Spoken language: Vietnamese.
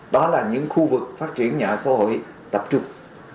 đó là những khu vực phát triển nhà ở xã hội tập trung